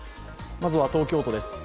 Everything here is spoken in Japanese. まずは、東京都です。